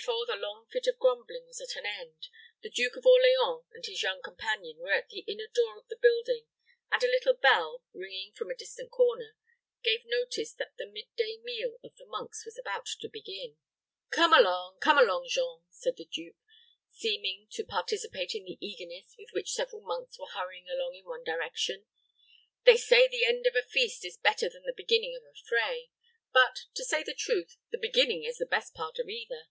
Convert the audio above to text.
Before the long fit of grumbling was at an end, the Duke of Orleans and his young companion were at the inner door of the building; and a little bell, ringing from a distant corner, gave notice that the mid day meal of the monks was about to begin. "Come along come along, Jean," said the duke, seeming to participate in the eagerness with which several monks were hurrying along in one direction; "they say the end of a feast is better than the beginning of a fray; but, to say truth, the beginning is the best part of either."